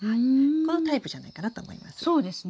このタイプじゃないかなと思います。